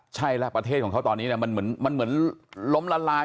ใช่แล้วประเทศของเขาตอนนี้มันเหมือนล้มละลาย